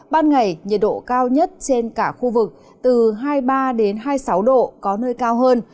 ban ngày nhiệt độ cao nhất trên cả khu vực từ hai mươi ba hai mươi sáu độ có nơi cao hơn